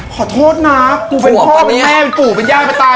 ขอโทษนะกูเป็นพ่อเป็นแม่เป็นปู่เป็นย่าเป็นตา